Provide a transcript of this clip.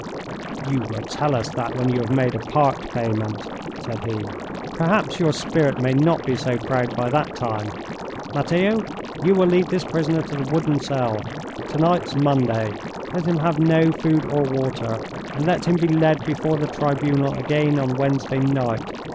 "You will tell us that when you have made a part payment," said he. "Perhaps your spirit may not be so proud by that time. Matteo, you will lead this prisoner to the wooden cell. To night is Monday. Let him have no food or water, and let him be led before the tribunal again on Wednesday night.